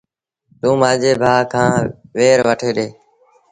توݩ مآݩجي ڀآ کآݩ وير وٺي ڏي۔